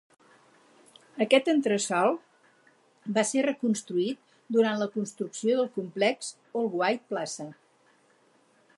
Aquest entresol va ser reconstruït durant la construcció del complex Worldwide Plaza.